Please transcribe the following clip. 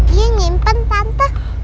iya nyimpen tante